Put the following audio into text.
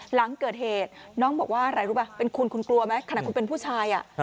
หลังเกิดเหตุน้องบอกว่าอะไรรู้ป่ะเป็นคุณคุณกลัวไหมขนาดคุณเป็นผู้ชาย